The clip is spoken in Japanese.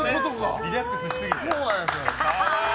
リラックスしすぎて。